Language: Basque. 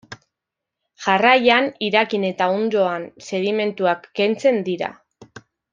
Jarraian irakin eta hondoan sedimentuak kentzen dira.